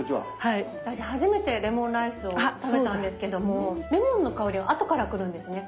私初めてレモンライスを食べたんですけどもレモンの香りは後から来るんですね。